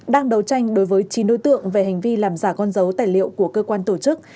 đang đấu tranh đối với chín đối tượng về hành vi làm giả con dấu tài liệu của cơ quan tổ chức